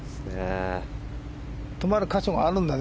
止まる箇所があるんだね。